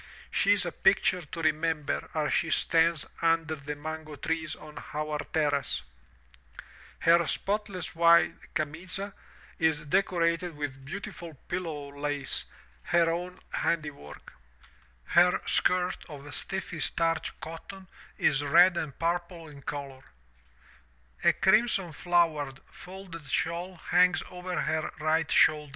She is a picture to remember as she stands under the mango trees on our terrace. Her spotless white '*camiza'' is decorated with beautiful pillow lace, her own handiwork. Her skirt of stiffly starched cotton is red and purple in color. A crimson flowered, folded shawl hangs over her right shoulder, *Taken from Fairy Tales from Brazil.